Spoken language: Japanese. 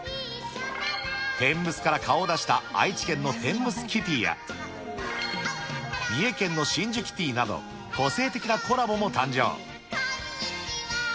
天むすから顔を出した愛知県の天むすキティや、三重県の真珠キティなど、個性的なコラボも誕生。